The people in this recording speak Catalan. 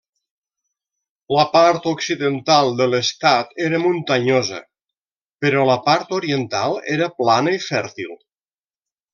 La part occidental de l'estat era muntanyosa però la part oriental era plana i fèrtil.